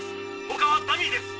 ほかはダミーです！